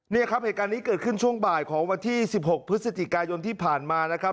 นี่ครับเหตุการณ์นี้เกิดขึ้นช่วงบ่ายของวันที่๑๖พฤศจิกายนที่ผ่านมานะครับ